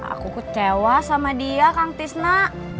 aku kecewa sama dia kang tisna